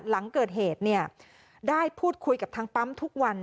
หลังเกิดเหตุเนี่ยได้พูดคุยกับทางปั๊มทุกวัน